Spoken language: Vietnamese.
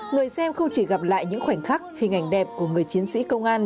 người xem không chỉ gặp lại những khoảnh khắc hình ảnh đẹp của người chiến sĩ công an